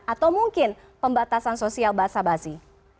atau mungkin pembatasan sosial basah basi